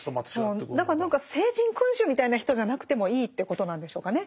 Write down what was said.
何か聖人君子みたいな人じゃなくてもいいっていうことなんでしょうかね。